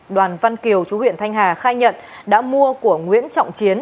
đoàn văn kiều chú huyện thanh hà khai nhận đã mua của nguyễn trọng chiến